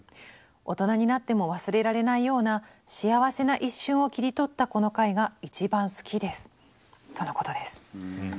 大人になっても忘れられないような幸せな一瞬を切り取ったこの回が一番好きです」とのことです。